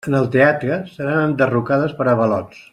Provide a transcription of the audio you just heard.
En el teatre, seran enderrocades per avalots.